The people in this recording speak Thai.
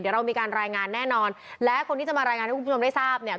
เดี๋ยวเรามีการรายงานแน่นอนและคนที่จะมารายงานให้คุณผู้ชมได้ทราบเนี่ย